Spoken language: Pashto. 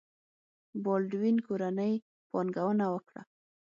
بالډوین کورنۍ پانګونه وکړه.